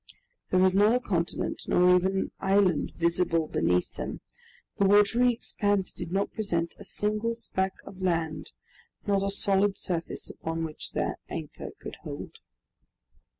There was not a continent, nor even an island, visible beneath them. The watery expanse did not present a single speck of land, not a solid surface upon which their anchor could hold.